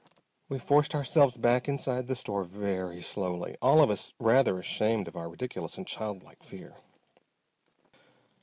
We forced ourselves back inside the store very slowly, all of us rather ashamed of our ridiculous and childlike fear.